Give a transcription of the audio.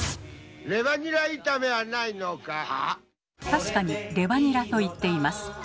確かに「レバニラ」と言っています。